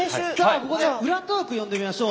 ここでウラトークを呼んでみましょう。